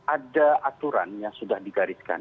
ada aturan yang sudah digariskan